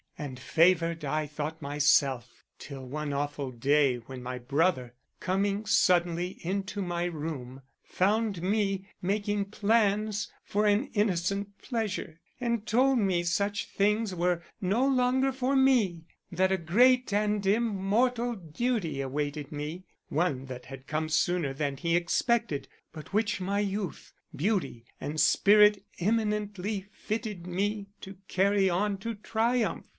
And favored I thought myself, till one awful day when my brother, coming suddenly into my room, found me making plans for an innocent pleasure and told me such things were no longer for me, that a great and immortal duty awaited me, one that had come sooner than he expected, but which my youth, beauty, and spirit eminently fitted me to carry on to triumph.